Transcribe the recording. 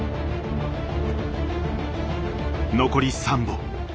残り３本。